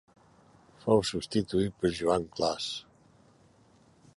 Fou substituït per Joan Clos.